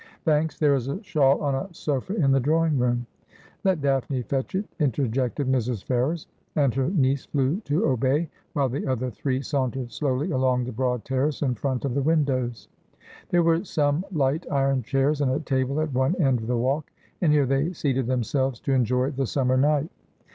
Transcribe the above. ' Thanks. There is a shawl on a sofa in the drawing room.' ' Let Daphne fetch it,' interjected Mrs. Ferrers ; and her niece flew to obey, while the other three sauntered slowly along the broad terrace in front of the windows. There were some light iron chairs and a table at one end of the walk, and here they seated themselves to enjoy the summer night.